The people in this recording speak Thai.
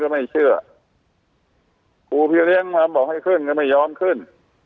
ไม่เชื่อครูพี่เลี้ยงมาบอกให้ขึ้นก็ไม่ยอมขึ้น